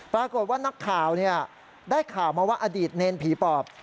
ปรากฏว่านักข่าวได้ข่าวมาว่าอดีตเนรผีปอบ